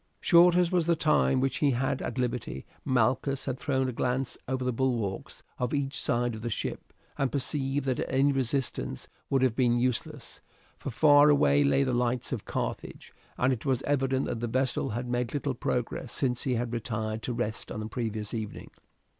Short as was the time which he had at liberty, Malchus had thrown a glance over the bulwarks of each side of the ship, and perceived that any resistance would have been useless, for far away lay the lights of Carthage; and it was evident that the vessel had made little progress since he had retired to rest on the previous evening.